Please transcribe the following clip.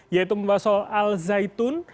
yaitu membahas soal al zaitun